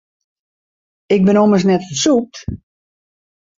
Ik bin ommers net fersûpt.